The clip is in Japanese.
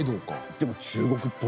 でも中国っぽいし。